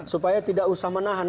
supaya tidak usah menahan